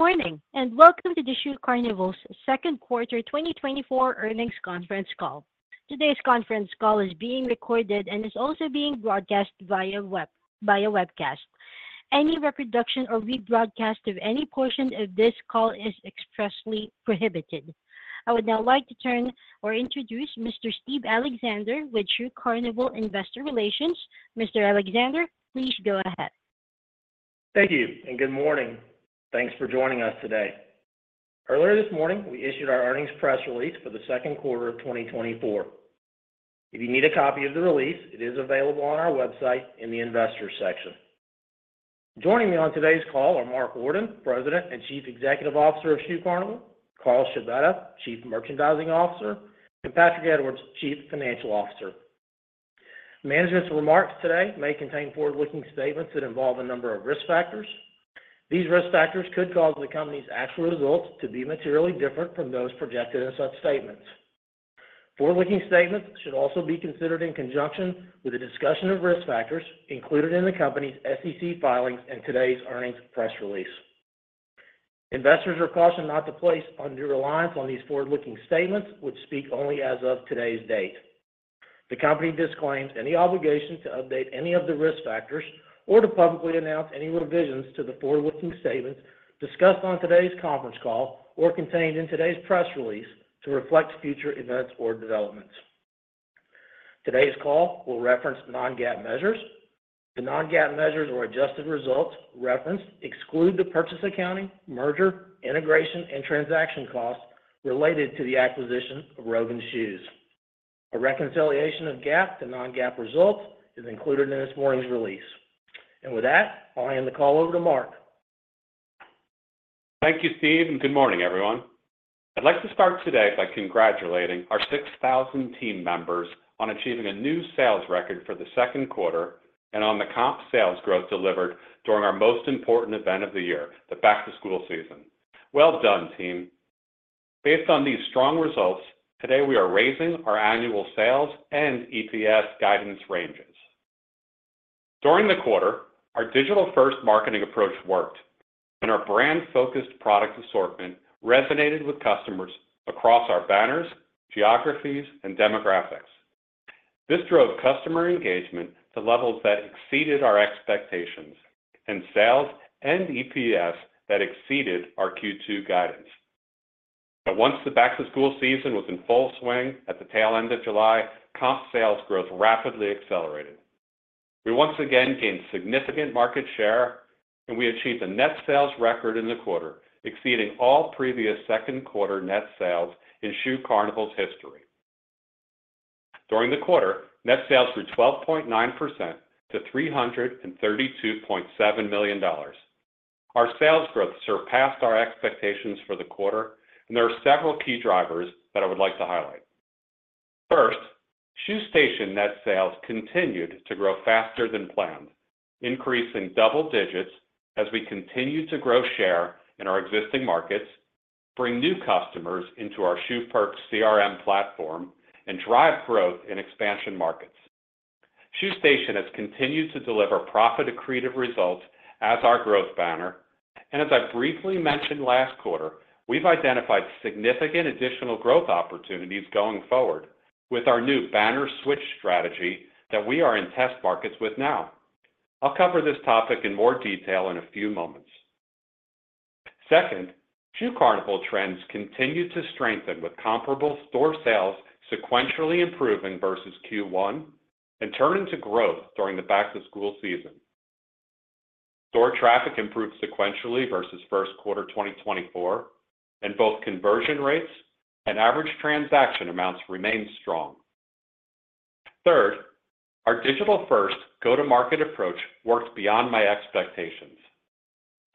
Good morning, and welcome to the Shoe Carnival's Second Quarter 2024 Earnings Conference Call. Today's conference call is being recorded and is also being broadcast via webcast. Any reproduction or rebroadcast of any portion of this call is expressly prohibited. I would now like to turn or introduce Mr. Steve Alexander with Shoe Carnival Investor Relations. Mr. Alexander, please go ahead. Thank you, and good morning. Thanks for joining us today. Earlier this morning, we issued our earnings press release for the second quarter of 2024. If you need a copy of the release, it is available on our website in the Investors section. Joining me on today's call are Mark Worden, President and Chief Executive Officer of Shoe Carnival, Carl Scibetta, Chief Merchandising Officer, and Patrick Edwards, Chief Financial Officer. Management's remarks today may contain forward-looking statements that involve a number of risk factors. These risk factors could cause the company's actual results to be materially different from those projected in such statements. Forward-looking statements should also be considered in conjunction with a discussion of risk factors included in the company's SEC filings and today's earnings press release. Investors are cautioned not to place undue reliance on these forward-looking statements, which speak only as of today's date. The company disclaims any obligation to update any of the risk factors or to publicly announce any revisions to the forward-looking statements discussed on today's conference call or contained in today's press release to reflect future events or developments. Today's call will reference non-GAAP measures. The non-GAAP measures or adjusted results referenced exclude the purchase accounting, merger, integration, and transaction costs related to the acquisition of Rogan's Shoes. A reconciliation of GAAP to non-GAAP results is included in this morning's release, and with that, I'll hand the call over to Mark. Thank you, Steve, and good morning, everyone. I'd like to start today by congratulating our six thousand team members on achieving a new sales record for the second quarter and on the comp sales growth delivered during our most important event of the year, the back-to-school season. Well done, team! Based on these strong results, today we are raising our annual sales and EPS guidance ranges. During the quarter, our digital-first marketing approach worked, and our brand-focused product assortment resonated with customers across our banners, geographies, and demographics. This drove customer engagement to levels that exceeded our expectations and sales and EPS that exceeded our Q2 guidance. But once the back-to-school season was in full swing at the tail end of July, comp sales growth rapidly accelerated. We once again gained significant market share, and we achieved a net sales record in the quarter, exceeding all previous second quarter net sales in Shoe Carnival's history. During the quarter, net sales grew 12.9% to $332.7 million. Our sales growth surpassed our expectations for the quarter, and there are several key drivers that I would like to highlight. First, Shoe Station net sales continued to grow faster than planned, increasing double digits as we continue to grow share in our existing markets, bring new customers into our Shoe Perks CRM platform, and drive growth in expansion markets. Shoe Station has continued to deliver profit accretive results as our growth banner, and as I briefly mentioned last quarter, we've identified significant additional growth opportunities going forward with our new banner switch strategy that we are in test markets with now. I'll cover this topic in more detail in a few moments. Second, Shoe Carnival trends continued to strengthen, with comparable store sales sequentially improving versus Q1 and turning to growth during the back-to-school season. Store traffic improved sequentially versus first quarter 2024, and both conversion rates and average transaction amounts remained strong. Third, our digital-first go-to-market approach worked beyond my expectations.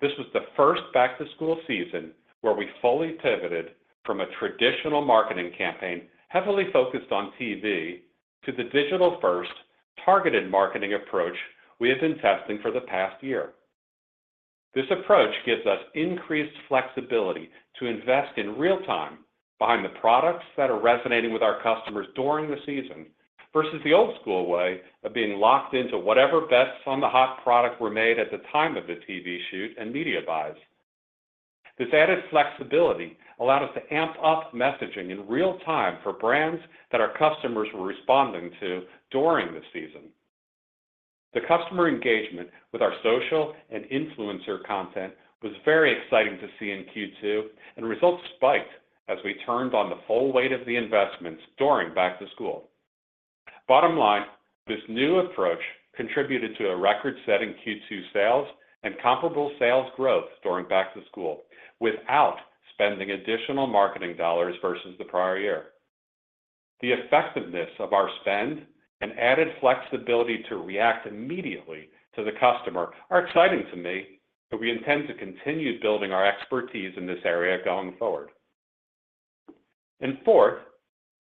This was the first back-to-school season where we fully pivoted from a traditional marketing campaign, heavily focused on TV, to the digital-first targeted marketing approach we have been testing for the past year. This approach gives us increased flexibility to invest in real time behind the products that are resonating with our customers during the season, versus the old school way of being locked into whatever bets on the hot product were made at the time of the TV shoot and media buys. This added flexibility allowed us to amp up messaging in real time for brands that our customers were responding to during the season. The customer engagement with our social and influencer content was very exciting to see in Q2, and results spiked as we turned on the full weight of the investments during back-to-school. Bottom line, this new approach contributed to a record-setting Q2 sales and comparable sales growth during back-to-school without spending additional marketing dollars versus the prior year. The effectiveness of our spend and added flexibility to react immediately to the customer are exciting to me, but we intend to continue building our expertise in this area going forward. Fourth,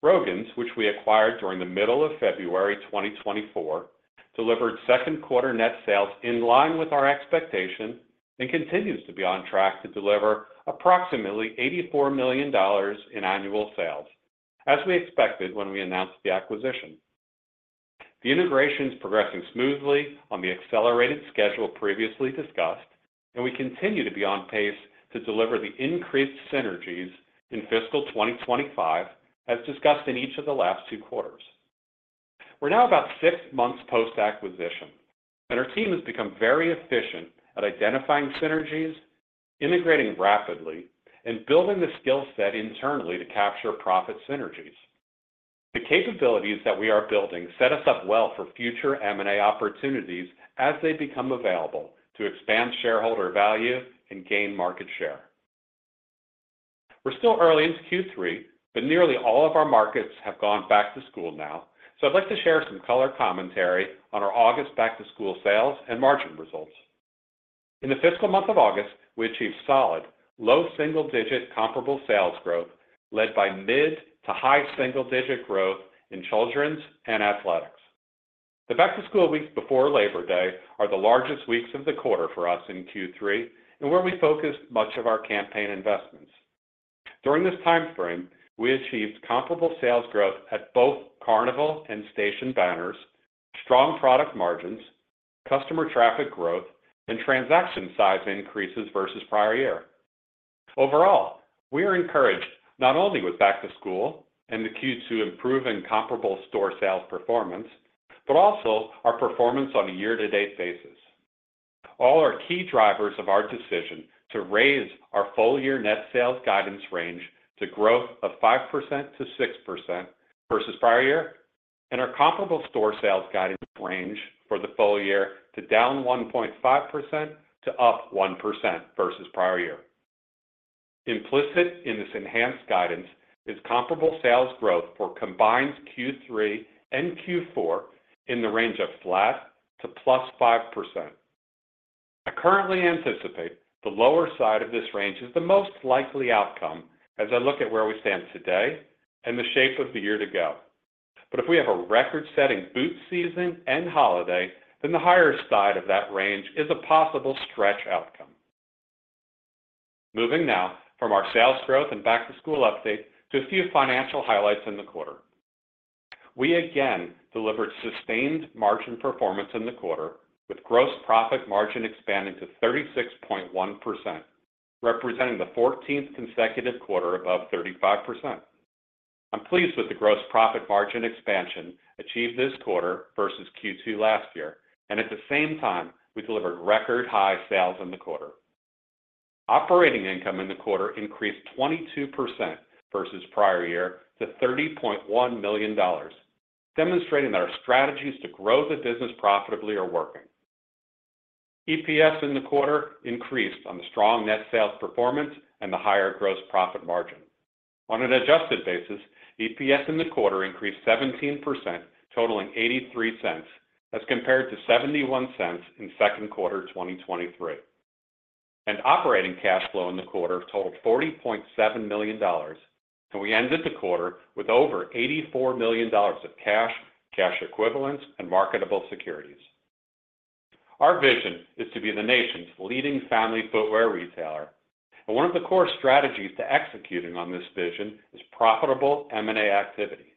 Rogan's, which we acquired during the middle of February 2024, delivered second quarter net sales in line with our expectations and continues to be on track to deliver approximately $84 million in annual sales, as we expected when we announced the acquisition. The integration is progressing smoothly on the accelerated schedule previously discussed, and we continue to be on pace to deliver the increased synergies in fiscal 2025, as discussed in each of the last two quarters. We're now about six months post-acquisition, and our team has become very efficient at identifying synergies, integrating rapidly, and building the skill set internally to capture profit synergies. The capabilities that we are building set us up well for future M&A opportunities as they become available to expand shareholder value and gain market share. We're still early into Q3, but nearly all of our markets have gone back to school now. So I'd like to share some color commentary on our August back-to-school sales and margin results. In the fiscal month of August, we achieved solid, low single-digit comparable sales growth, led by mid to high single-digit growth in children's and athletics. The back-to-school weeks before Labor Day are the largest weeks of the quarter for us in Q3 and where we focus much of our campaign investments. During this time frame, we achieved comparable sales growth at both Carnival and Station banners, strong product margins, customer traffic growth, and transaction size increases versus prior year. Overall, we are encouraged not only with back to school and the Q2 improving comparable store sales performance, but also our performance on a year-to-date basis. All are key drivers of our decision to raise our full-year net sales guidance range to growth of 5%-6% versus prior year, and our comparable store sales guidance range for the full year to down 1.5% to up 1% versus prior year. Implicit in this enhanced guidance is comparable sales growth for combined Q3 and Q4 in the range of flat to +5%. I currently anticipate the lower side of this range is the most likely outcome as I look at where we stand today and the shape of the year to go. But if we have a record-setting boot season and holiday, then the higher side of that range is a possible stretch outcome. Moving now from our sales growth and back-to-school update to a few financial highlights in the quarter. We again delivered sustained margin performance in the quarter, with gross profit margin expanding to 36.1%, representing the fourteenth consecutive quarter above 35%. I'm pleased with the gross profit margin expansion achieved this quarter versus Q2 last year, and at the same time, we delivered record-high sales in the quarter. Operating income in the quarter increased 22% versus prior year to $30.1 million, demonstrating that our strategies to grow the business profitably are working. EPS in the quarter increased on the strong net sales performance and the higher gross profit margin. On an adjusted basis, EPS in the quarter increased 17%, totaling $0.83, as compared to $0.71 in second quarter 2023. Operating cash flow in the quarter totaled $40.7 million, and we ended the quarter with over $84 million of cash, cash equivalents, and marketable securities. Our vision is to be the nation's leading family footwear retailer, and one of the core strategies to executing on this vision is profitable M&A activity.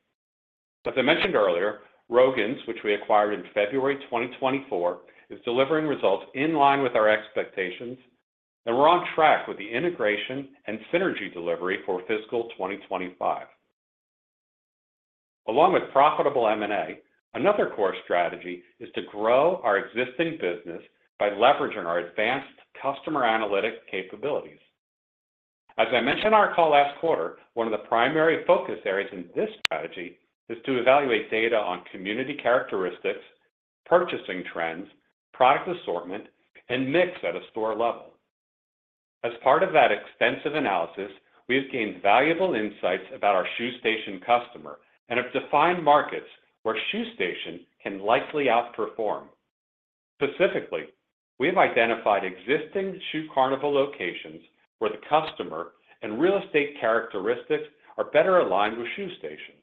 As I mentioned earlier, Rogan's, which we acquired in February 2024, is delivering results in line with our expectations, and we're on track with the integration and synergy delivery for fiscal 2025. Along with profitable M&A, another core strategy is to grow our existing business by leveraging our advanced customer analytic capabilities. As I mentioned on our call last quarter, one of the primary focus areas in this strategy is to evaluate data on community characteristics, purchasing trends, product assortment, and mix at a store level. As part of that extensive analysis, we have gained valuable insights about our Shoe Station customer and have defined markets where Shoe Station can likely outperform. Specifically, we have identified existing Shoe Carnival locations where the customer and real estate characteristics are better aligned with Shoe Station.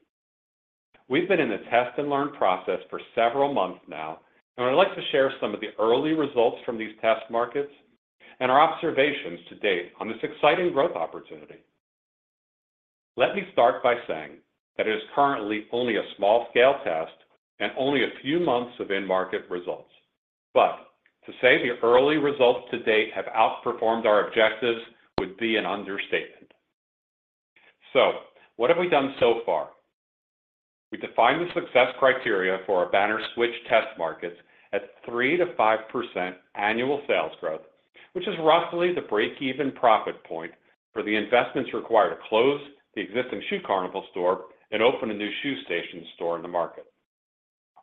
We've been in the test and learn process for several months now, and I'd like to share some of the early results from these test markets and our observations to date on this exciting growth opportunity. Let me start by saying that it is currently only a small-scale test and only a few months of in-market results. But to say the early results to date have outperformed our objectives would be an understatement. So what have we done so far? We defined the success criteria for our banner switch test markets at 3-5% annual sales growth, which is roughly the break-even profit point for the investments required to close the existing Shoe Carnival store and open a new Shoe Station store in the market.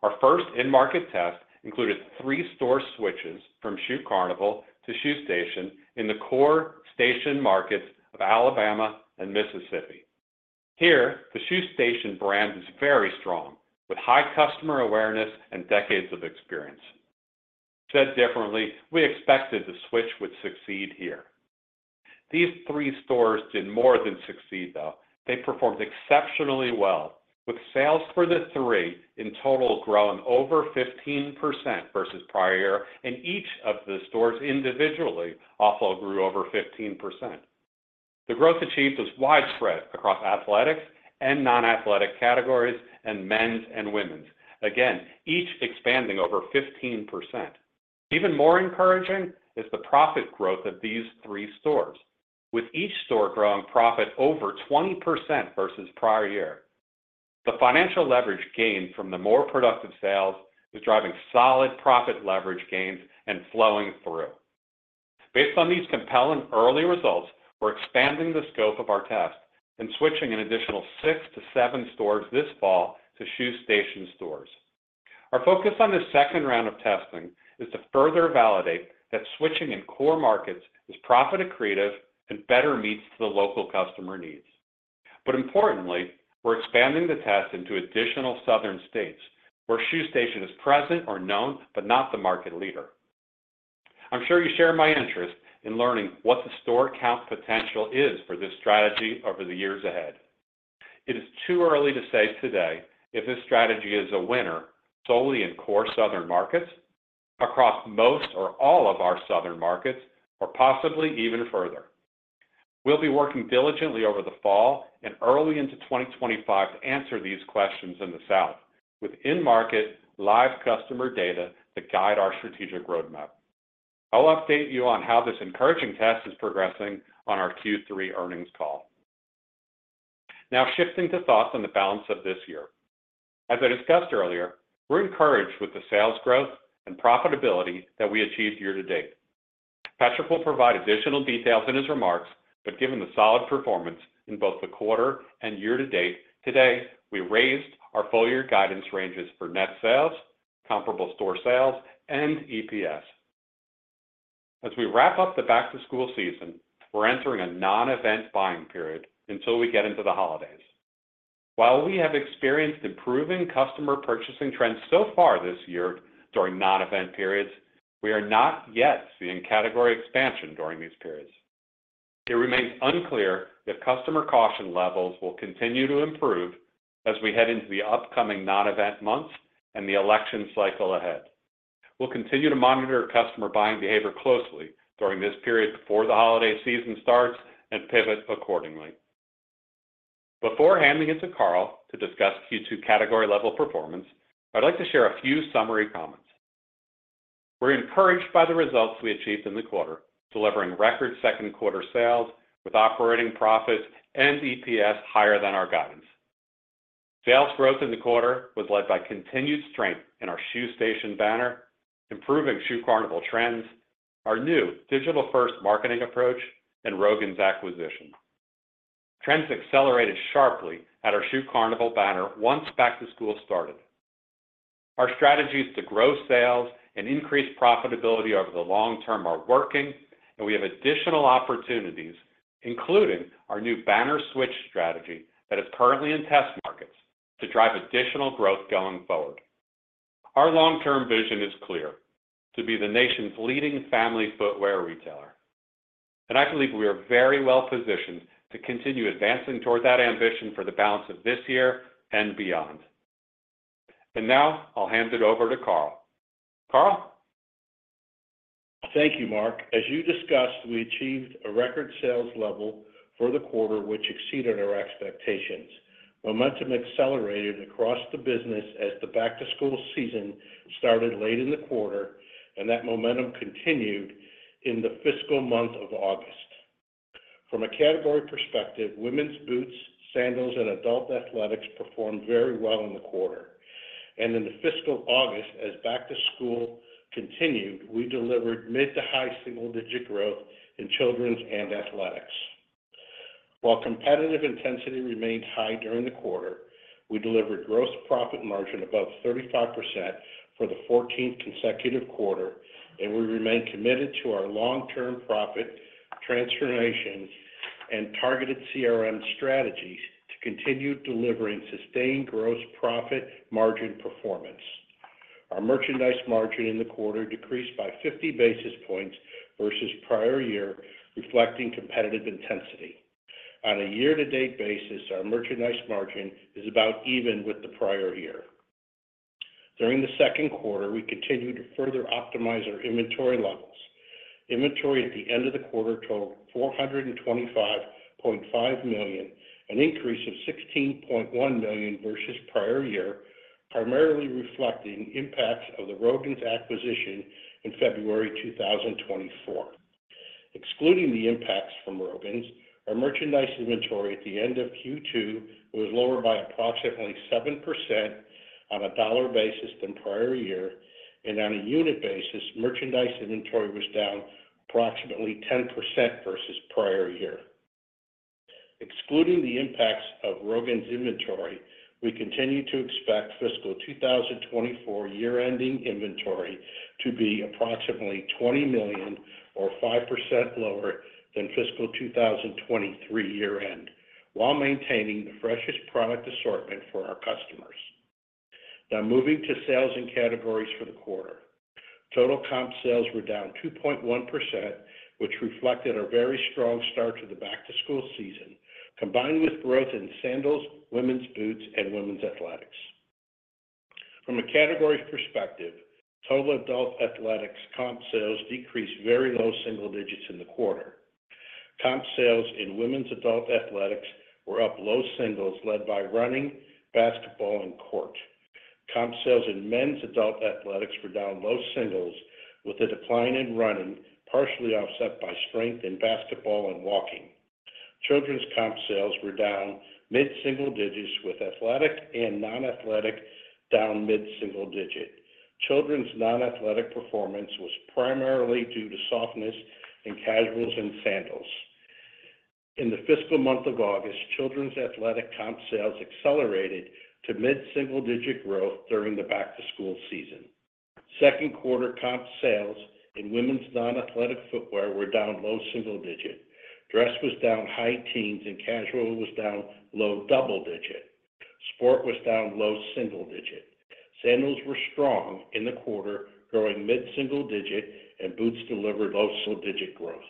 Our first in-market test included three store switches from Shoe Carnival to Shoe Station in the core Station markets of Alabama and Mississippi. Here, the Shoe Station brand is very strong, with high customer awareness and decades of experience. Said differently, we expected the switch would succeed here. These three stores did more than succeed, though. They performed exceptionally well, with sales for the three in total growing over 15% versus prior year, and each of the stores individually also grew over 15%. The growth achieved was widespread across athletic and non-athletic categories, and men's and women's. Again, each expanding over 15%. Even more encouraging is the profit growth of these three stores, with each store growing profit over 20% versus prior year. The financial leverage gained from the more productive sales is driving solid profit leverage gains and flowing through. Based on these compelling early results, we're expanding the scope of our test and switching an additional six to seven stores this fall to Shoe Station stores. Our focus on this second round of testing is to further validate that switching in core markets is profit accretive and better meets the local customer needs. But importantly, we're expanding the test into additional southern states where Shoe Station is present or known, but not the market leader. I'm sure you share my interest in learning what the store count potential is for this strategy over the years ahead. It is too early to say today if this strategy is a winner solely in core southern markets, across most or all of our southern markets, or possibly even further. We'll be working diligently over the fall and early into 2025 to answer these questions in the South, with in-market live customer data to guide our strategic roadmap. I'll update you on how this encouraging test is progressing on our Q3 earnings call. Now, shifting to thoughts on the balance of this year. As I discussed earlier, we're encouraged with the sales growth and profitability that we achieved year-to-date. Patrick will provide additional details in his remarks, but given the solid performance in both the quarter and year-to-date, today, we raised our full-year guidance ranges for net sales, comparable store sales, and EPS. As we wrap up the back-to-school season, we're entering a non-event buying period until we get into the holidays. While we have experienced improving customer purchasing trends so far this year during non-event periods, we are not yet seeing category expansion during these periods. It remains unclear if customer caution levels will continue to improve as we head into the upcoming non-event months and the election cycle ahead. We'll continue to monitor customer buying behavior closely during this period before the holiday season starts, and pivot accordingly. Before handing it to Carl to discuss Q2 category level performance, I'd like to share a few summary comments. We're encouraged by the results we achieved in the quarter, delivering record second quarter sales with operating profits and EPS higher than our guidance. Sales growth in the quarter was led by continued strength in our Shoe Station banner, improving Shoe Carnival trends, our new digital-first marketing approach, and Rogan's acquisition. Trends accelerated sharply at our Shoe Carnival banner once back-to-school started. Our strategies to grow sales and increase profitability over the long term are working, and we have additional opportunities, including our new banner switch strategy, that is currently in test markets to drive additional growth going forward. Our long-term vision is clear: to be the nation's leading family footwear retailer. And I believe we are very well positioned to continue advancing toward that ambition for the balance of this year and beyond. And now I'll hand it over to Carl. Carl? Thank you, Mark. As you discussed, we achieved a record sales level for the quarter, which exceeded our expectations. Momentum accelerated across the business as the back-to-school season started late in the quarter, and that momentum continued in the fiscal month of August. From a category perspective, women's boots, sandals, and adult athletics performed very well in the quarter. And in the fiscal August, as back to school continued, we delivered mid to high single-digit growth in children's and athletics. While competitive intensity remained high during the quarter, we delivered gross profit margin above 35% for the fourteenth consecutive quarter, and we remain committed to our long-term profit transformations and targeted CRM strategies to continue delivering sustained gross profit margin performance. Our merchandise margin in the quarter decreased by 50 points versus prior year, reflecting competitive intensity. On a year-to-date basis, our merchandise margin is about even with the prior year. During the second quarter, we continued to further optimize our inventory levels. Inventory at the end of the quarter totaled $425.5 million, an increase of $16.1 million versus prior year, primarily reflecting impacts of the Rogan's acquisition in February 2024. Excluding the impacts from Rogan's, our merchandise inventory at the end of Q2 was lower by approximately 7% on a dollar basis than prior year, and on a unit basis, merchandise inventory was down approximately 10% versus prior year. Excluding the impacts of Rogan's inventory, we continue to expect fiscal 2024 year-ending inventory to be approximately $20 million or 5% lower than fiscal 2023 year-end, while maintaining the freshest product assortment for our customers. Now, moving to sales and categories for the quarter. Total comp sales were down 2.1%, which reflected a very strong start to the back-to-school season, combined with growth in sandals, women's boots, and women's athletics. From a category perspective, total adult athletics comp sales decreased very low single digits in the quarter. Comp sales in women's adult athletics were up low singles, led by running, basketball, and court. Comp sales in men's adult athletics were down low singles, with a decline in running, partially offset by strength in basketball and walking. Children's comp sales were down mid-single digits, with athletic and non-athletic down mid-single digit. Children's non-athletic performance was primarily due to softness in casuals and sandals. In the fiscal month of August, children's athletic comp sales accelerated to mid-single-digit growth during the back-to-school season. Second quarter comp sales in women's non-athletic footwear were down low single digit. Dress was down high teens, and casual was down low double digit. Sport was down low single digit. Sandals were strong in the quarter, growing mid-single digit, and boots delivered low single-digit growth.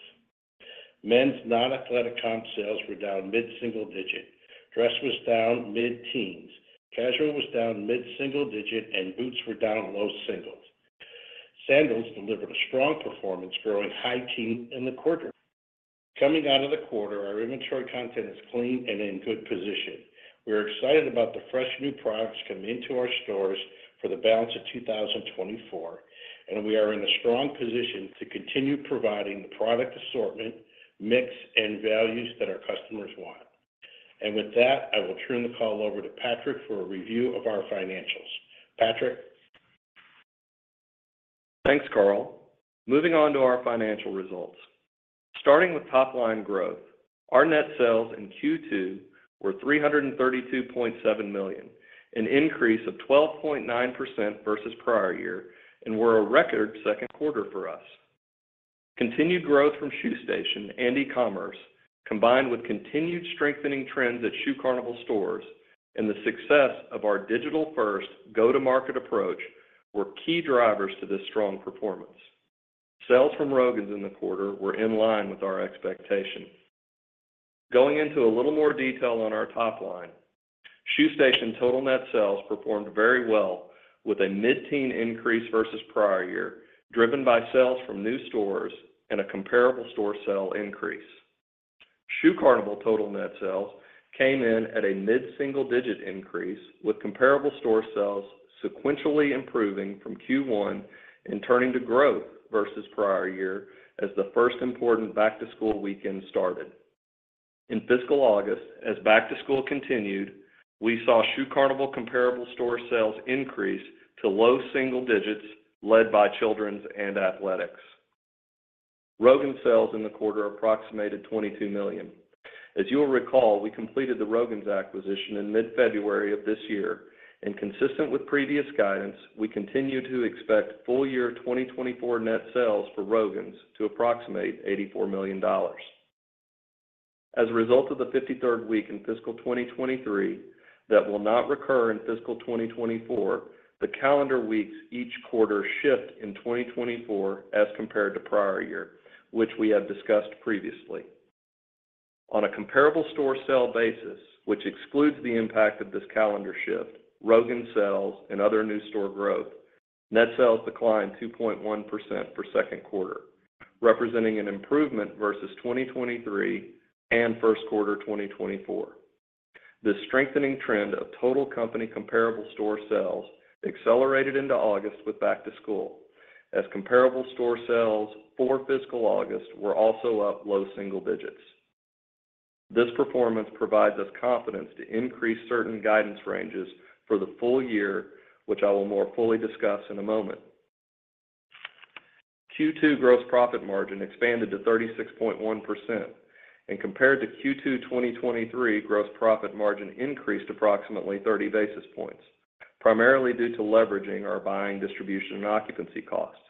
Men's non-athletic comp sales were down mid-single digit. Dress was down mid-teens, casual was down mid-single digit, and boots were down low singles. Sandals delivered a strong performance, growing high teens in the quarter. Coming out of the quarter, our inventory count is clean and in good position. We are excited about the fresh new products coming into our stores for the balance of 2024, and we are in a strong position to continue providing the product assortment, mix, and values that our customers want, and with that, I will turn the call over to Patrick for a review of our financials. Patrick? Thanks, Carl. Moving on to our financial results. Starting with top-line growth, our net sales in Q2 were $332.7 million, an increase of 12.9% versus prior year and were a record second quarter for us. Continued growth from Shoe Station and e-commerce, combined with continued strengthening trends at Shoe Carnival stores and the success of our digital-first go-to-market approach, were key drivers to this strong performance. Sales from Rogan's in the quarter were in line with our expectations. Going into a little more detail on our top line, Shoe Station total net sales performed very well, with a mid-teen increase versus prior year, driven by sales from new stores and a comparable store sale increase. Shoe Carnival total net sales came in at a mid-single-digit increase, with comparable store sales sequentially improving from Q1 and turning to growth versus prior year as the first important back-to-school weekend started. In fiscal August, as back-to-school continued, we saw Shoe Carnival comparable store sales increase to low single digits, led by children's and athletics. Rogan's sales in the quarter approximated $22 million. As you will recall, we completed the Rogan's acquisition in mid-February of this year, and consistent with previous guidance, we continue to expect full year 2024 net sales for Rogan's to approximate $84 million. As a result of the 53rd week in fiscal 2023, that will not recur in fiscal 2024, the calendar weeks each quarter shift in 2024 as compared to prior year, which we have discussed previously. On a comparable store sales basis, which excludes the impact of this calendar shift, Rogan's sales and other new store growth, net sales declined 2.1% for second quarter, representing an improvement versus 2023 and first quarter 2024. This strengthening trend of total company comparable store sales accelerated into August with back-to-school, as comparable store sales for fiscal August were also up low single digits. This performance provides us confidence to increase certain guidance ranges for the full year, which I will more fully discuss in a moment. Q2 gross profit margin expanded to 36.1%, and compared to Q2 2023, gross profit margin increased approximately 30 basis points, primarily due to leveraging our buying, distribution, and occupancy costs.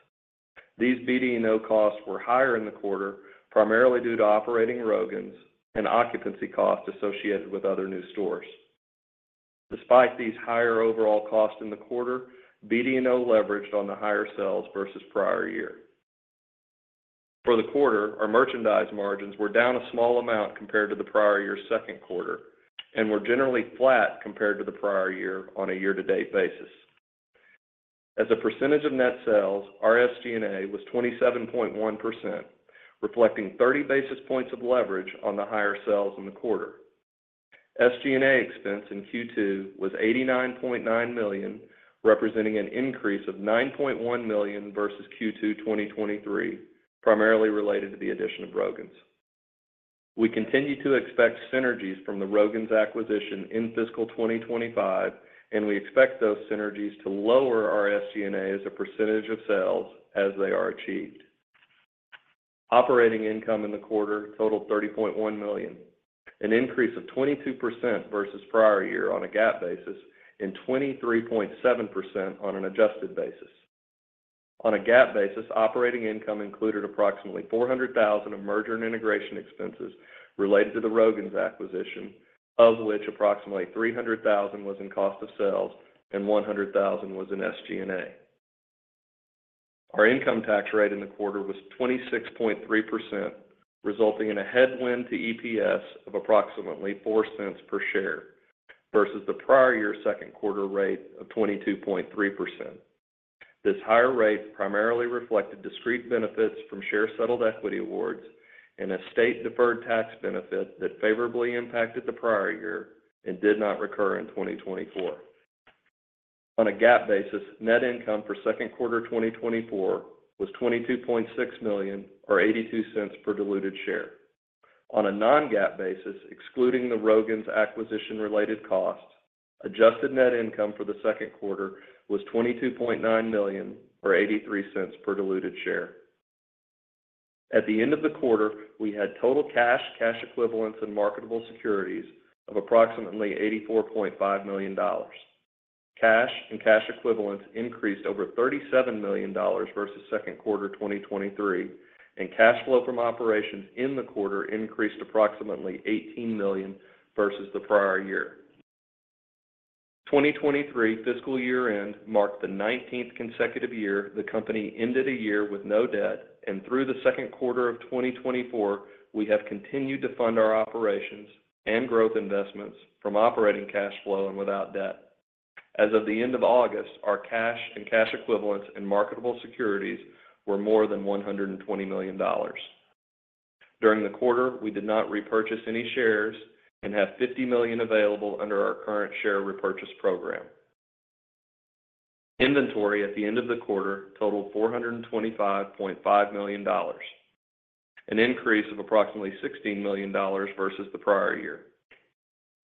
These BD&O costs were higher in the quarter, primarily due to operating Rogan's and occupancy costs associated with other new stores. Despite these higher overall costs in the quarter, BD&O leveraged on the higher sales versus prior year. For the quarter, our merchandise margins were down a small amount compared to the prior year's second quarter and were generally flat compared to the prior year on a year-to-date basis. As a percentage of net sales, our SG&A was 27.1%, reflecting 30 basis points of leverage on the higher sales in the quarter. SG&A expense in Q2 was $89.9 million, representing an increase of $9.1 million versus Q2 2023, primarily related to the addition of Rogan's. We continue to expect synergies from the Rogan's acquisition in fiscal 2025, and we expect those synergies to lower our SG&A as a percentage of sales as they are achieved. Operating income in the quarter totaled $30.1 million, an increase of 22% versus prior year on a GAAP basis and 23.7% on an adjusted basis. On a GAAP basis, operating income included approximately $400,000 of merger and integration expenses related to the Rogan's acquisition, of which approximately $300,000 was in cost of sales and $100,000 was in SG&A. Our income tax rate in the quarter was 26.3%, resulting in a headwind to EPS of approximately $0.04 per share, versus the prior year second quarter rate of 22.3%. This higher rate primarily reflected discrete benefits from share-settled equity awards and a state-deferred tax benefit that favorably impacted the prior year and did not recur in 2024. On a GAAP basis, net income for the second quarter 2024 was $22.6 million, or $0.82 per diluted share. On a non-GAAP basis, excluding the Rogan's acquisition-related costs, adjusted net income for the second quarter was $22.9 million, or $0.83 per diluted share. At the end of the quarter, we had total cash, cash equivalents, and marketable securities of approximately $84.5 million. Cash and cash equivalents increased over $37 million versus second quarter 2023, and cash flow from operations in the quarter increased approximately $18 million versus the prior year. 2023 fiscal year-end marked the 19th consecutive year the company ended a year with no debt, and through the second quarter of 2024, we have continued to fund our operations and growth investments from operating cash flow and without debt. As of the end of August, our cash and cash equivalents and marketable securities were more than $120 million. During the quarter, we did not repurchase any shares and have $50 million available under our current share repurchase program. Inventory at the end of the quarter totaled $425.5 million, an increase of approximately $16 million versus the prior year.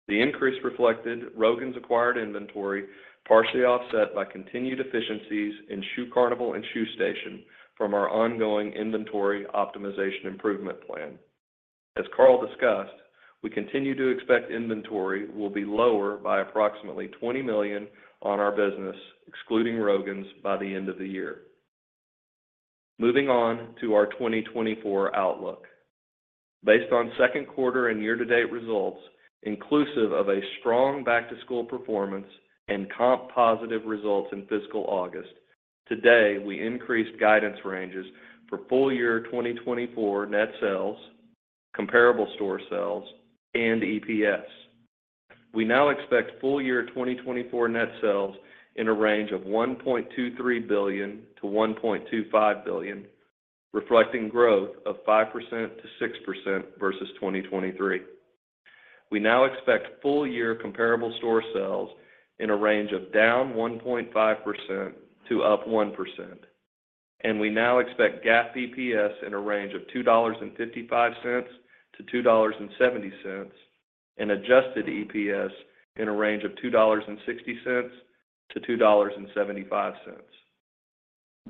The increase reflected Rogan's acquired inventory, partially offset by continued efficiencies in Shoe Carnival and Shoe Station from our ongoing inventory optimization improvement plan. As Carl discussed, we continue to expect inventory will be lower by approximately $20 million on our business, excluding Rogan's, by the end of the year. Moving on to our 2024 outlook. Based on second quarter and year-to-date results, inclusive of a strong back-to-school performance and comp positive results in fiscal August, today, we increased guidance ranges for full year 2024 net sales, comparable store sales, and EPS. We now expect full year 2024 net sales in a range of $1.23 billion-$1.25 billion, reflecting growth of 5%-6% versus 2023. We now expect full year comparable store sales in a range of down 1.5% to up 1%, and we now expect GAAP EPS in a range of $2.55-$2.70, and adjusted EPS in a range of $2.60-$2.75.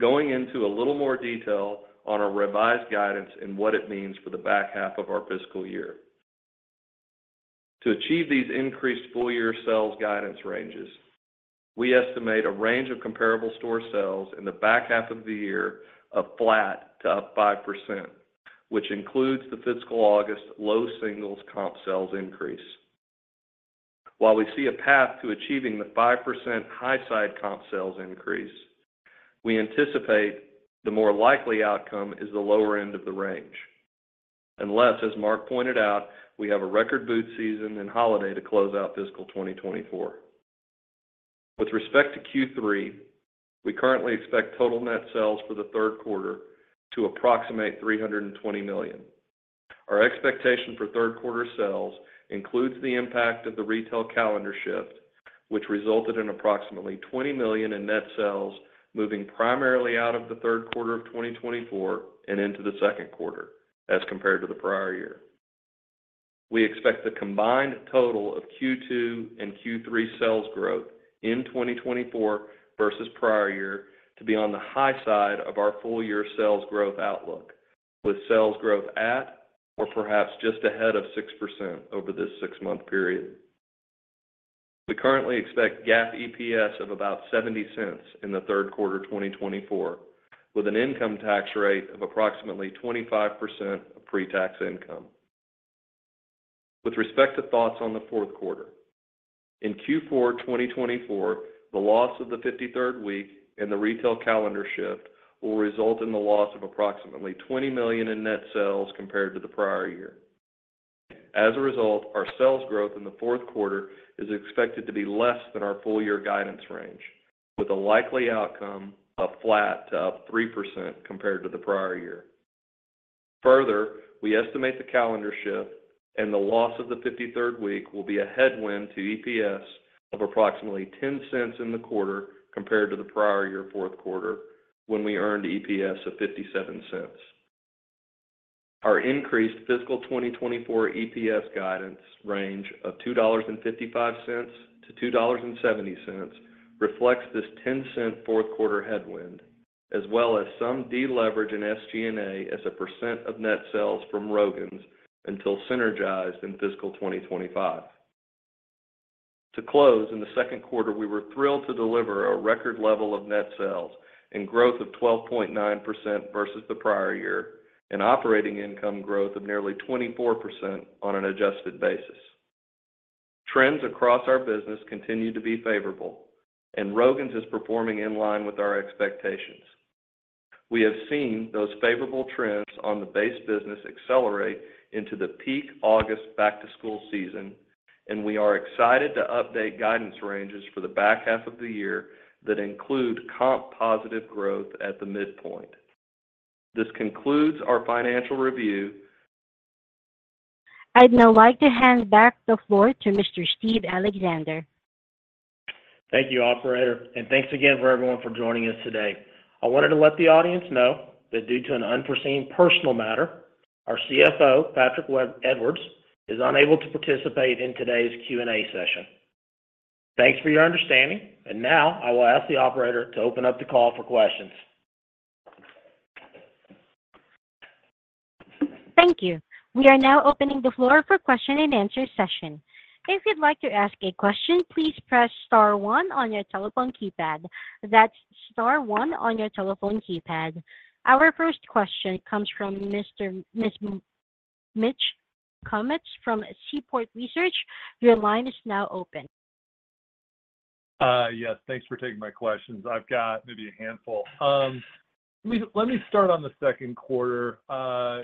Going into a little more detail on our revised guidance and what it means for the back half of our fiscal year. To achieve these increased full-year sales guidance ranges, we estimate a range of comparable store sales in the back half of the year of flat to up 5%, which includes the fiscal August low singles comp sales increase. While we see a path to achieving the 5% high-side comp sales increase, we anticipate the more likely outcome is the lower end of the range. Unless, as Mark pointed out, we have a record boot season and holiday to close out fiscal 2024. With respect to Q3, we currently expect total net sales for the third quarter to approximate $320 million. Our expectation for third quarter sales includes the impact of the retail calendar shift, which resulted in approximately $20 million in net sales, moving primarily out of the third quarter of 2024 and into the second quarter as compared to the prior year. We expect the combined total of Q2 and Q3 sales growth in 2024 versus prior year to be on the high side of our full-year sales growth outlook, with sales growth at or perhaps just ahead of 6% over this six-month period. We currently expect GAAP EPS of about $0.70 in the third quarter 2024, with an income tax rate of approximately 25% of pre-tax income. With respect to thoughts on the fourth quarter, in Q4 2024, the loss of the 53rd week and the retail calendar shift will result in the loss of approximately $20 million in net sales compared to the prior year. As a result, our sales growth in the fourth quarter is expected to be less than our full-year guidance range, with a likely outcome of flat to up 3% compared to the prior year. Further, we estimate the calendar shift and the loss of the 53rd week will be a headwind to EPS of approximately $0.10 in the quarter compared to the prior year fourth quarter, when we earned EPS of $0.57. Our increased fiscal 2024 EPS guidance range of $2.55 to $2.70 reflects this $0.10 fourth quarter headwind, as well as some deleverage in SG&A as a percent of net sales from Rogan's until synergized in fiscal 2025. To close, in the second quarter, we were thrilled to deliver a record level of net sales and growth of 12.9% versus the prior year, and operating income growth of nearly 24% on an adjusted basis.... Trends across our business continue to be favorable, and Rogan's is performing in line with our expectations. We have seen those favorable trends on the base business accelerate into the peak August back-to-school season, and we are excited to update guidance ranges for the back half of the year that include comp positive growth at the midpoint. This concludes our financial review. I'd now like to hand back the floor to Mr. Steve Alexander. Thank you, operator, and thanks again for everyone for joining us today. I wanted to let the audience know that due to an unforeseen personal matter, our CFO, Patrick Edwards, is unable to participate in today's Q&A session. Thanks for your understanding, and now I will ask the operator to open up the call for questions. Thank you. We are now opening the floor for question and answer session. If you'd like to ask a question, please press star one on your telephone keypad. That's star one on your telephone keypad. Our first question comes from Mr. Mitch Kummetz from Seaport Research. Your line is now open. Yes, thanks for taking my questions. I've got maybe a handful. Let me start on the second quarter.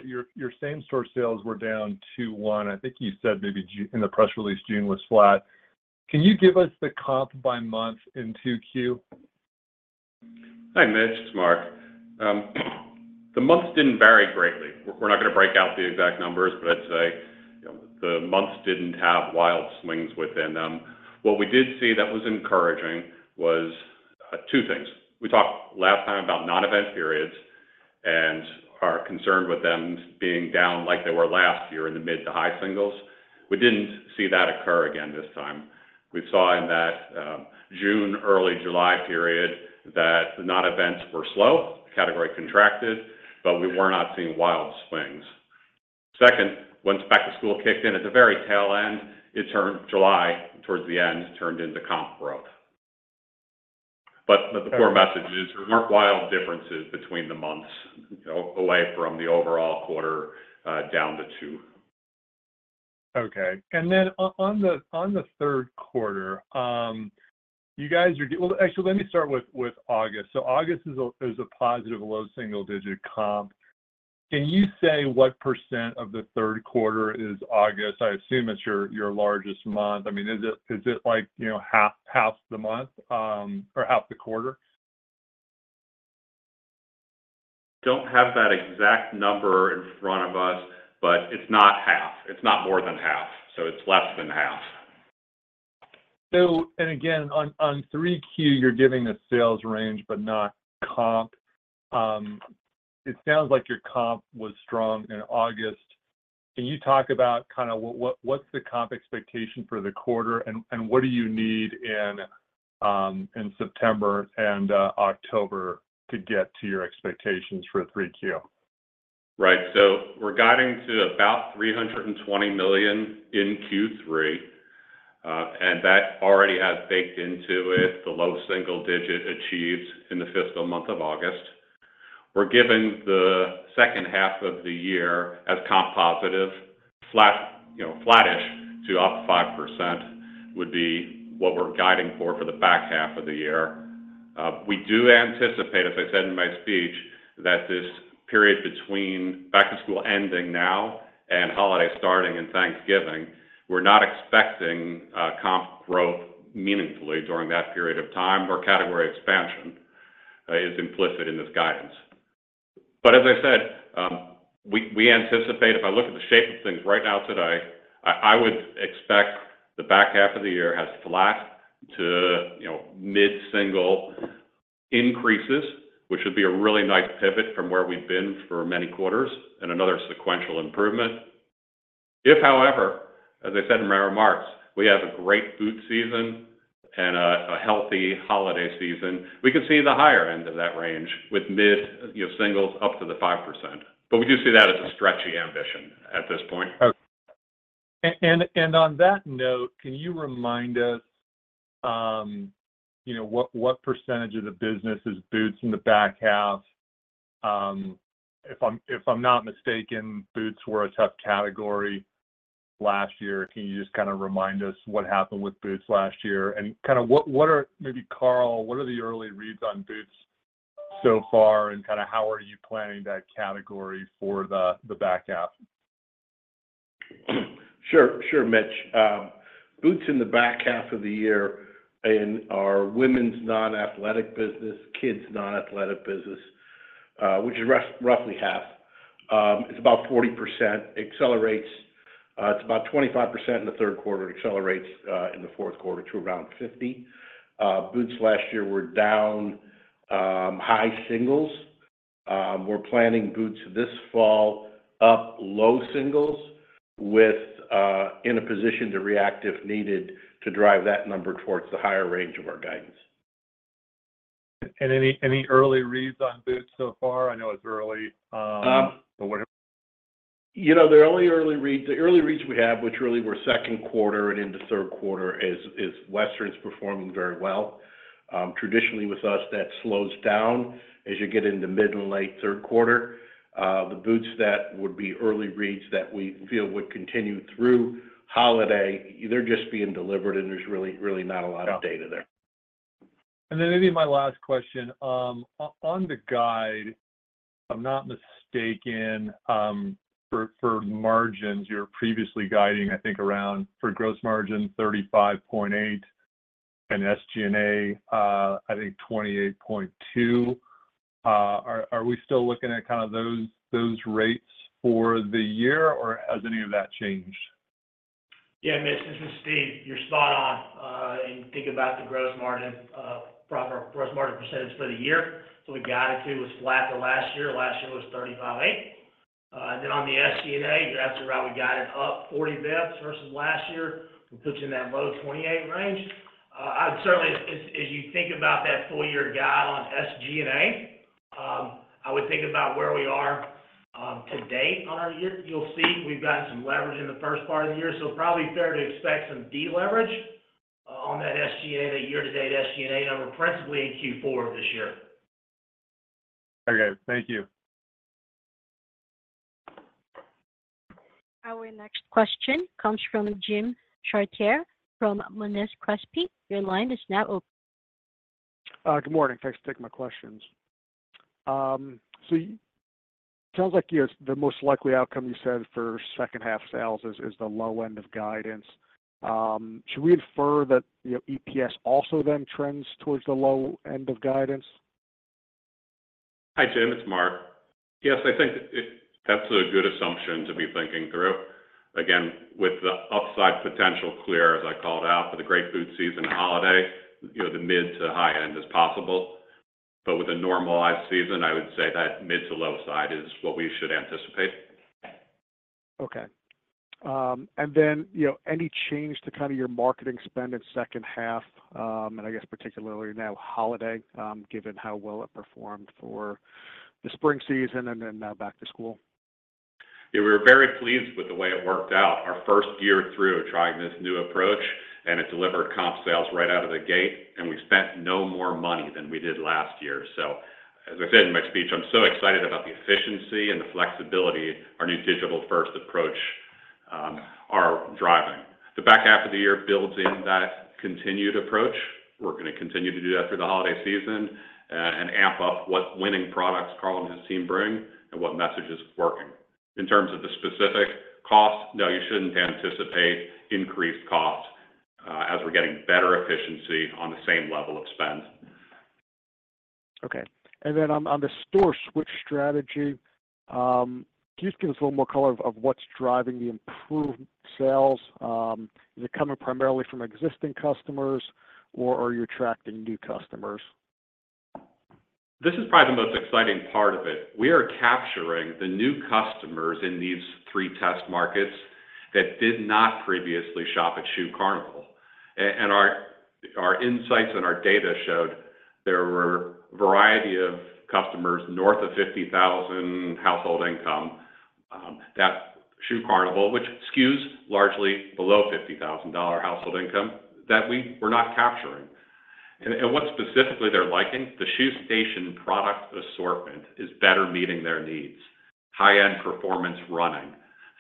Your same-store sales were down 2.1%. I think you said in the press release, June was flat. Can you give us the comp by month in 2Q? Hi, Mitch, it's Mark. The months didn't vary greatly. We're not going to break out the exact numbers, but I'd say, you know, the months didn't have wild swings within them. What we did see that was encouraging was two things. We talked last time about non-event periods and are concerned with them being down like they were last year in the mid to high singles. We didn't see that occur again this time. We saw in that June, early July period that non-events were slow, category contracted, but we were not seeing wild swings. Second, once back-to-school kicked in at the very tail end, it turned July, towards the end, turned into comp growth. But the core message is, there weren't wild differences between the months, away from the overall quarter down to two. Okay. And then on the third quarter, you guys are... Well, actually, let me start with August. So August is a positive, low single-digit comp. Can you say what % of the third quarter is August? I assume it's your largest month. I mean, is it, like, you know, half the month or half the quarter? Don't have that exact number in front of us, but it's not half. It's not more than half, so it's less than half. And again, on 3Q, you're giving a sales range, but not comp. It sounds like your comp was strong in August. Can you talk about kinda what's the comp expectation for the quarter, and what do you need in September and October to get to your expectations for 3Q? Right. So we're guiding to about $320 million in Q3, and that already has baked into it the low single-digit comps in the fiscal month of August. We're giving the second half of the year as comp positive, flat, you know, flattish to up 5% would be what we're guiding for for the back half of the year. We do anticipate, as I said in my speech, that this period between back-to-school ending now and holiday starting in Thanksgiving, we're not expecting comp growth meaningfully during that period of time, or category expansion is implicit in this guidance. But as I said, we anticipate, if I look at the shape of things right now today, I would expect the back half of the year has flat to, you know, mid-single increases, which would be a really nice pivot from where we've been for many quarters and another sequential improvement. If, however, as I said in my remarks, we have a great boot season and a healthy holiday season, we could see the higher end of that range with mid, you know, singles up to the 5%. But we do see that as a stretchy ambition at this point. Okay. And on that note, can you remind us, you know, what percentage of the business is boots in the back half? If I'm not mistaken, boots were a tough category last year. Can you just kinda remind us what happened with boots last year? And kinda what are maybe, Carl, what are the early reads on boots so far, and kinda how are you planning that category for the back half? Sure, sure, Mitch. Boots in the back half of the year in our women's non-athletic business, kids non-athletic business, which is roughly half, it's about 40%, accelerates, it's about 25% in the third quarter, accelerates, in the fourth quarter to around 50%. Boots last year were down high singles. We're planning boots this fall up low singles with in a position to react if needed to drive that number towards the higher range of our guidance. Any early reads on boots so far? I know it's early, but what- You know, the early, early reads, the early reads we have, which really were second quarter and into third quarter, is western performing very well. Traditionally with us, that slows down as you get into mid and late third quarter. The boots that would be early reads that we feel would continue through holiday, they're just being delivered, and there's really, really not a lot of data there. ...And then maybe my last question. On the guide, if I'm not mistaken, for margins, you were previously guiding, I think, around for gross margin, 35.8%, and SG&A, I think 28.2%. Are we still looking at kind of those rates for the year, or has any of that changed? Yeah, Mitch, this is Steve. You're spot on. And think about the gross margin, proper gross margin percentage for the year. So we got it to was flatter last year. Last year was 35.8%. And then on the SG&A, that's around we got it up 40 basis points versus last year, which puts you in that low 28% range. I'd certainly, as, as you think about that full year guide on SG&A, I would think about where we are, to date on our year. You'll see we've gotten some leverage in the first part of the year, so probably fair to expect some deleverage, on that SG&A, that year-to-date SG&A number, principally in Q4 of this year. Okay. Thank you. Our next question comes from Jim Chartier from Monness, Crespi. Your line is now open. Good morning. Thanks for taking my questions. So it sounds like the most likely outcome you said for second half sales is the low end of guidance. Should we infer that your EPS also then trends towards the low end of guidance? Hi, Jim, it's Mark. Yes, I think it, that's a good assumption to be thinking through. Again, with the upside potential clear, as I called out, for the back-to-school season and holiday, you know, the mid-to-high end is possible. But with a normalized season, I would say that mid-to-low side is what we should anticipate. Okay, and then, you know, any change to kind of your marketing spend in second half, and I guess particularly now holiday, given how well it performed for the spring season and then now back to school? Yeah, we were very pleased with the way it worked out. Our first year through trying this new approach, and it delivered comp sales right out of the gate, and we spent no more money than we did last year. So as I said in my speech, I'm so excited about the efficiency and the flexibility our new digital-first approach are driving. The back half of the year builds in that continued approach. We're gonna continue to do that through the holiday season, and amp up what winning products Carl and his team bring and what message is working. In terms of the specific cost, no, you shouldn't anticipate increased cost as we're getting better efficiency on the same level of spend. Okay. And then on the banner switch strategy, can you just give us a little more color of what's driving the improved sales? Is it coming primarily from existing customers, or are you attracting new customers? This is probably the most exciting part of it. We are capturing the new customers in these three test markets that did not previously shop at Shoe Carnival and our insights and our data showed there were a variety of customers north of $50,000 household income that Shoe Carnival, which skews largely below $50,000 household income, that we were not capturing. What specifically they're liking? The Shoe Station product assortment is better meeting their needs. High-end performance running,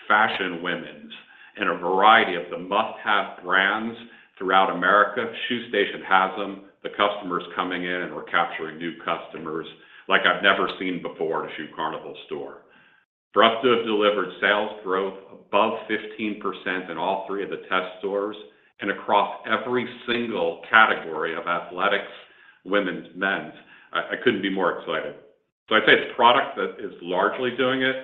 fashion women's, and a variety of the must-have brands throughout America, Shoe Station has them, the customers coming in, and we're capturing new customers like I've never seen before in a Shoe Carnival store. For us to have delivered sales growth above 15% in all three of the test stores and across every single category of athletics, women's, men's, I couldn't be more excited. So I'd say it's product that is largely doing it,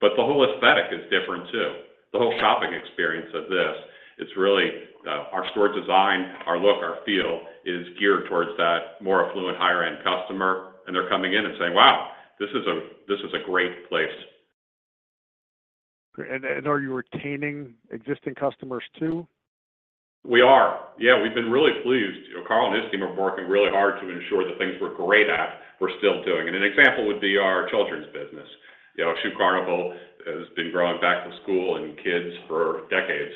but the whole aesthetic is different, too. The whole shopping experience of this, it's really, our store design, our look, our feel is geared towards that more affluent, higher-end customer, and they're coming in and saying, "Wow, this is a great place. Great. And are you retaining existing customers, too? We are. Yeah, we've been really pleased. You know, Carl and his team are working really hard to ensure the things we're great at, we're still doing. And an example would be our children's business. You know, Shoe Carnival has been growing back to school and kids for decades.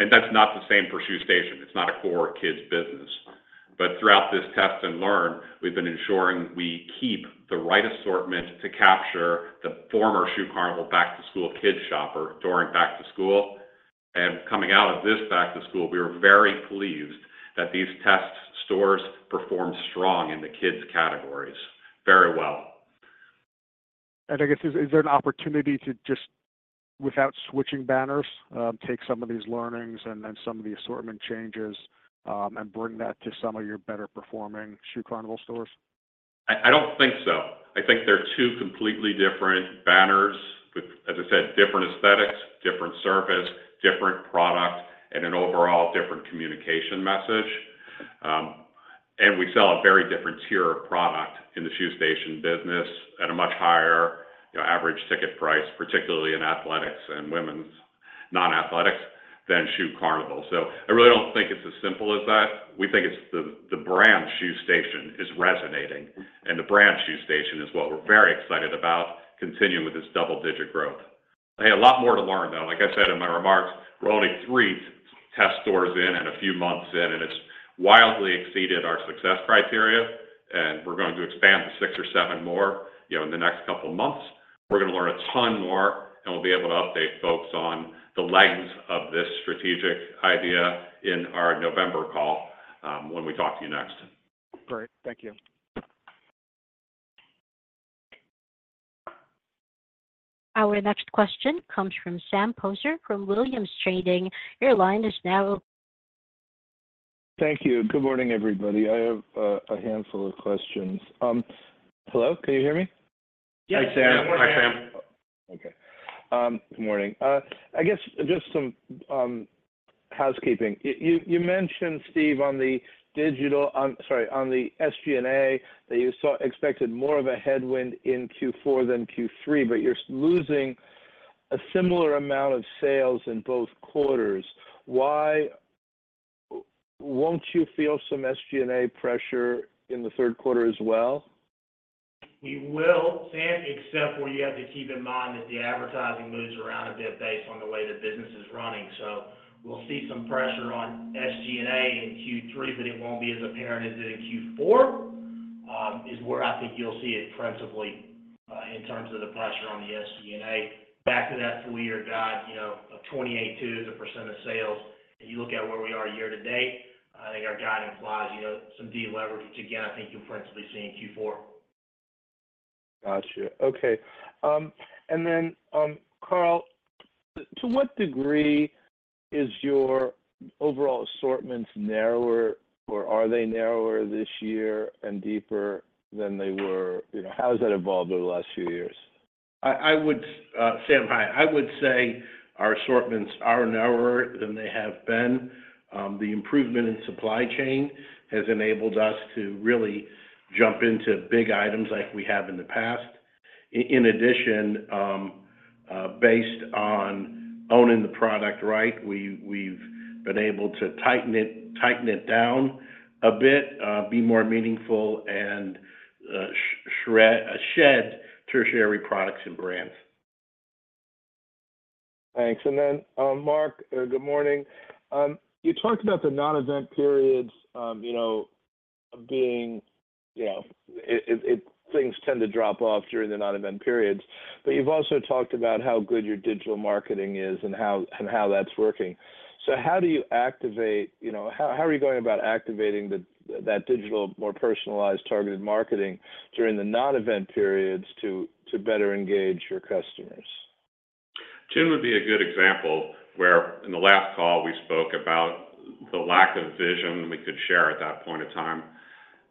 And that's not the same for Shoe Station. It's not a core kids business. But throughout this test and learn, we've been ensuring we keep the right assortment to capture the former Shoe Carnival back-to-school kids shopper during back to school. And coming out of this back to school, we were very pleased that these test stores performed strong in the kids categories very well. I guess, is there an opportunity to just, without switching banners, take some of these learnings and then some of the assortment changes, and bring that to some of your better-performing Shoe Carnival stores? I don't think so. I think they're two completely different banners with, as I said, different aesthetics, different service, different product, and an overall different communication message. And we sell a very different tier of product in the Shoe Station business at a much higher, you know, average ticket price, particularly in athletics and women's non-athletics, than Shoe Carnival. So I really don't think it's as simple as that. We think it's the brand Shoe Station is resonating, and the brand Shoe Station is what we're very excited about continuing with this double-digit growth. Hey, a lot more to learn, though. Like I said in my remarks, we're only three test stores in and a few months in, and it's wild, too, exceeded our success criteria, and we're going to expand to six or seven more, you know, in the next couple of months. We're gonna learn a ton more, and we'll be able to update folks on the legs of this strategic idea in our November call, when we talk to you next. Great. Thank you. Our next question comes from Sam Poser from Williams Trading. Your line is now- Thank you. Good morning, everybody. I have a handful of questions. Hello, can you hear me? Yes, Sam. Hi, Sam. Okay. Good morning. I guess just some housekeeping. You mentioned, Steve, on the digital, sorry, on the SG&A, that you expected more of a headwind in Q4 than Q3, but you're losing a similar amount of sales in both quarters. Why won't you feel some SG&A pressure in the third quarter as well? We will, Sam, except where you have to keep in mind that the advertising moves around a bit based on the way the business is running. So we'll see some pressure on SG&A in Q3, but it won't be as apparent as it is in Q4, is where I think you'll see it principally, in terms of the pressure on the SG&A. Back to that full-year guide, you know, of 28.2% of sales, and you look at where we are year-to-date, I think our guide implies, you know, some deleverage, which again, I think you'll principally see in Q4. Got you. Okay, and then, Carl, to what degree is your overall assortments narrower, or are they narrower this year and deeper than they were? You know, how has that evolved over the last few years? I, I would, Sam, hi. I would say our assortments are narrower than they have been. The improvement in supply chain has enabled us to really jump into big items like we have in the past. In addition, based on owning the product right, we've been able to tighten it down a bit, be more meaningful and shed tertiary products and brands. Thanks. And then, Mark, good morning. You talked about the non-event periods, you know, being, you know, it - things tend to drop off during the non-event periods. But you've also talked about how good your digital marketing is and how that's working. So how do you activate? You know, how are you going about activating that digital, more personalized, targeted marketing during the non-event periods to better engage your customers? June would be a good example, where in the last call, we spoke about the lack of vision we could share at that point in time,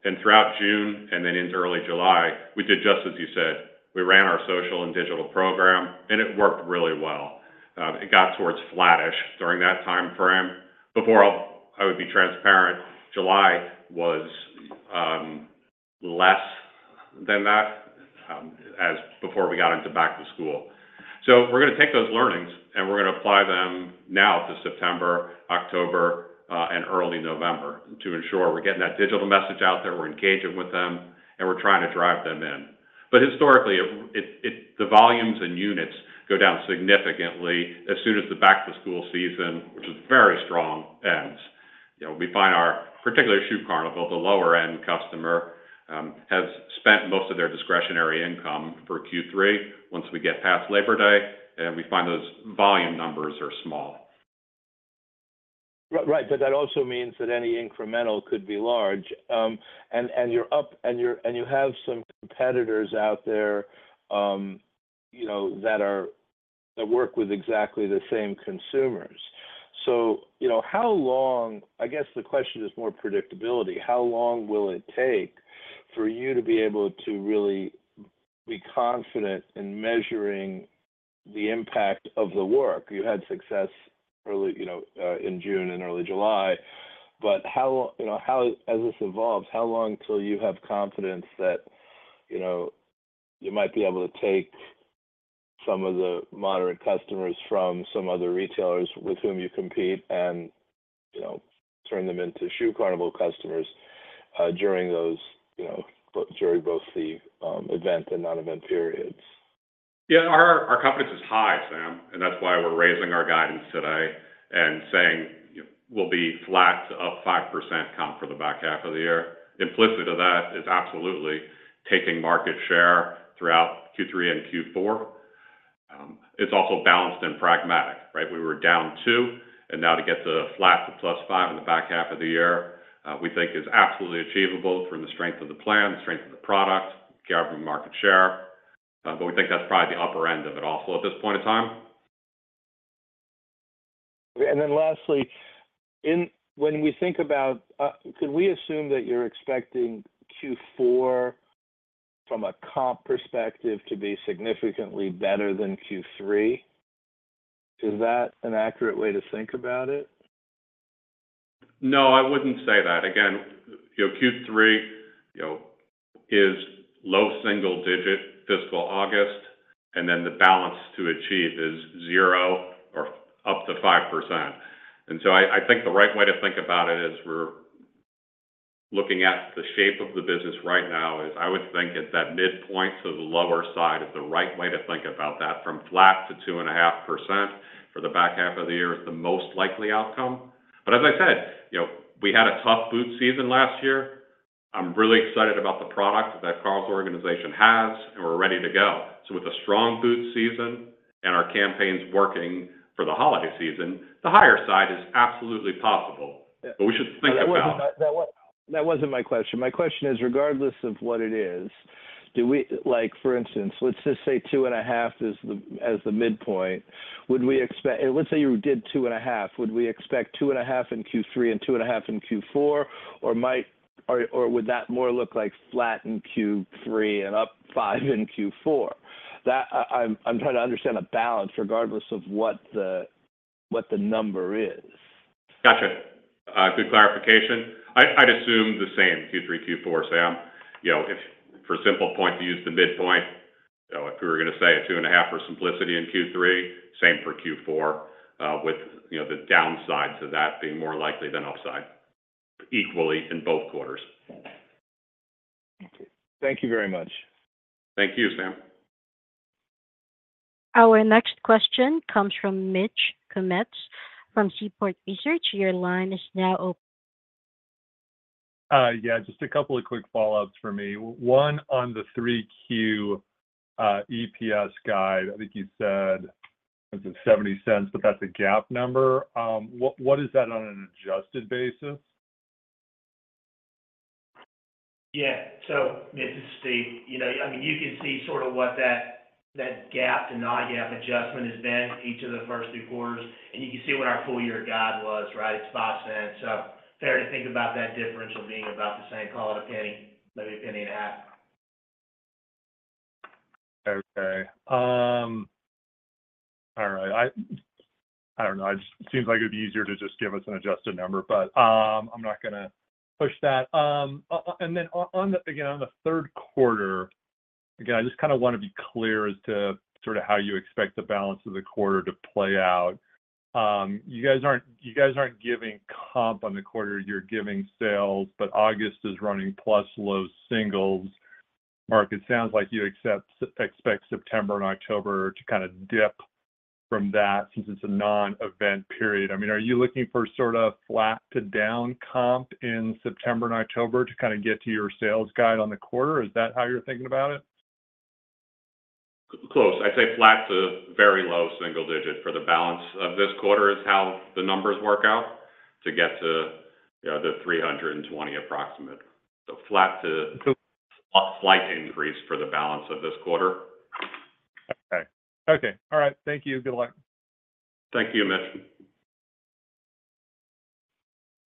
and throughout June, and then into early July, we did just as you said, we ran our social and digital program, and it worked really well. It got towards flattish during that time frame before, I would be transparent, July was less than that, as before we got into back to school, so we're gonna take those learnings, and we're gonna apply them now to September, October, and early November to ensure we're getting that digital message out there, we're engaging with them, and we're trying to drive them in, but historically, it, the volumes and units go down significantly as soon as the back-to-school season, which is very strong, ends. You know, we find our particular Shoe Carnival, the lower-end customer, has spent most of their discretionary income for Q3 once we get past Labor Day, and we find those volume numbers are small. Right, but that also means that any incremental could be large, and you have some competitors out there, you know, that work with exactly the same consumers. So, you know, how long... I guess, the question is more predictability. How long will it take for you to be able to really be confident in measuring the impact of the work? You had success early, you know, in June and early July, but how, you know, as this evolves, how long till you have confidence that, you know, you might be able to take some of the moderate customers from some other retailers with whom you compete and, you know, turn them into Shoe Carnival customers, during those, you know, during both the event and non-event periods? Yeah, our confidence is high, Sam, and that's why we're raising our guidance today and saying, "We'll be flat to up 5% comp for the back half of the year." Implicit to that is absolutely taking market share throughout Q3 and Q4. It's also balanced and pragmatic, right? We were down 2, and now to get to flat to +5% in the back half of the year, we think is absolutely achievable from the strength of the plan, the strength of the product, gathering market share. But we think that's probably the upper end of it also at this point in time. And then lastly, when we think about, could we assume that you're expecting Q4, from a comp perspective, to be significantly better than Q3? Is that an accurate way to think about it? No, I wouldn't say that. Again, you know, Q3, you know, is low single digit fiscal August, and then the balance to achieve is zero or up to 5%. And so I, I think the right way to think about it is we're looking at the shape of the business right now, is I would think at that midpoint to the lower side is the right way to think about that, from flat to 2.5%.... for the back half of the year is the most likely outcome. But as I said, you know, we had a tough boot season last year. I'm really excited about the product that Carl's organization has, and we're ready to go. So with a strong boot season and our campaigns working for the holiday season, the higher side is absolutely possible. But we should think about- That wasn't my question. My question is, regardless of what it is, do we like, for instance, let's just say two and a half is the midpoint, would we expect. Let's say you did two and a half, would we expect two and a half in Q3 and two and a half in Q4? Or might or would that more look like flat in Q3 and up five in Q4? That, I'm trying to understand a balance, regardless of what the number is. Gotcha. Good clarification. I'd assume the same, Q3, Q4, Sam. You know, if for simple point, to use the midpoint, so if we were gonna say 2.5 for simplicity in Q3, same for Q4, with you know, the downsides of that being more likely than upside, equally in both quarters. Thank you. Thank you very much. Thank you, Sam. Our next question comes from Mitch Kummetz from Seaport Research. Your line is now open. Yeah, just a couple of quick follow-ups for me. One, on the 3Q EPS guide. I think you said it was at $0.70, but that's a GAAP number. What is that on an adjusted basis? Yeah. So this is Steve. You know, I mean, you can see sort of what that, that GAAP to non-GAAP adjustment has been each of the first two quarters, and you can see what our full year guide was, right? It's $0.05. So fair to think about that differential being about the same, call it $0.01, maybe $0.015. Okay. All right. I don't know. It just seems like it'd be easier to just give us an adjusted number, but, I'm not gonna push that. And then on the, again, on the third quarter, again, I just kinda wanna be clear as to sort of how you expect the balance of the quarter to play out. You guys aren't, you guys aren't giving comp on the quarter, you're giving sales, but August is running plus low singles. Mark, it sounds like you expect September and October to kinda dip from that since it's a non-event period. I mean, are you looking for sort of flat to down comp in September and October to kinda get to your sales guide on the quarter? Is that how you're thinking about it? Close. I'd say flat to very low single digit for the balance of this quarter is how the numbers work out to get to the 3 approximate. So flat to a slight increase for the balance of this quarter. Okay. Okay. All right. Thank you. Good luck. Thank you, Mitch.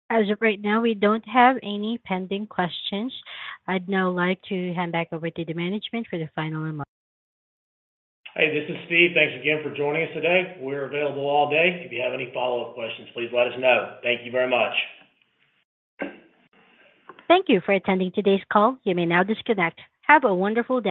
As of right now, we don't have any pending questions. I'd now like to hand back over to the management for their final remarks. Hey, this is Steve. Thanks again for joining us today. We're available all day. If you have any follow-up questions, please let us know. Thank you very much. Thank you for attending today's call. You may now disconnect. Have a wonderful day.